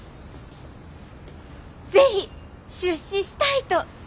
是非出資したいと！